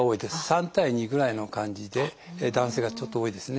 ３対２ぐらいの感じで男性がちょっと多いですね。